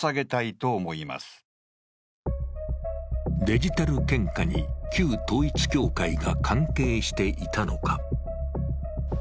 デジタル献花に旧統一教会が関係していたのか。